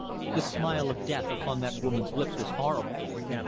The smile of death upon that woman's lips was horrible.